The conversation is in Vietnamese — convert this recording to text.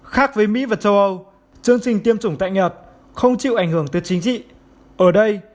khác với mỹ và châu âu chương trình tiêm chủng tại nhật không chịu ảnh hưởng tới chính trị ở đây